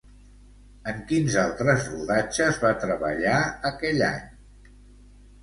En quins altres rodatges va treballar aquell any?